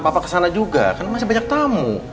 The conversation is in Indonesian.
papa kesana juga kan masih banyak tamu